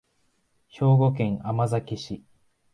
兵庫県尼崎市